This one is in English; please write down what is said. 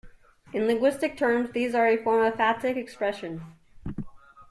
In linguistic terms, these are a form of phatic expression.